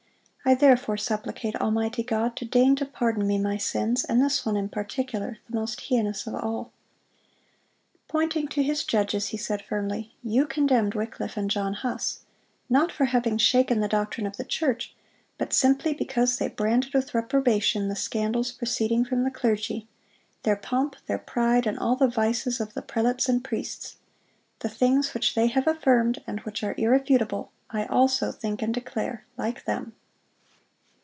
I therefore supplicate ... Almighty God to deign to pardon me my sins, and this one in particular, the most heinous of all." Pointing to his judges, he said firmly: "You condemned Wycliffe and John Huss, not for having shaken the doctrine of the church, but simply because they branded with reprobation the scandals proceeding from the clergy,—their pomp, their pride, and all the vices of the prelates and priests. The things which they have affirmed, and which are irrefutable, I also think and declare, like them."